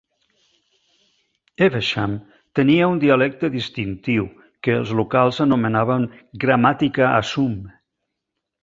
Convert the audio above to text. Evesham tenia un dialecte distintiu, que els locals anomenaven "Gramàtica Asum".